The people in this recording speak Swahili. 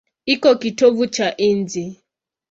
Iko kitovu cha nchi.